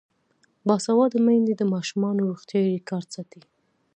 باسواده میندې د ماشومانو روغتیايي ریکارډ ساتي.